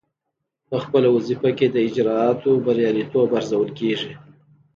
پخپله وظیفه کې د اجرااتو بریالیتوب ارزول کیږي.